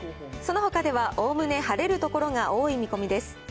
そのほかではおおむね晴れる所が多い見込みです。